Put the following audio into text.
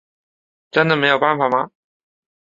真的没有办法吗？